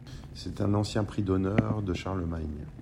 C’est un ancien prix d’honneur de Charlemagne.